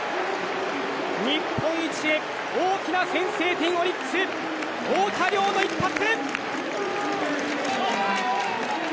日本一へ、大きな先制点オリックス！太田椋の一発！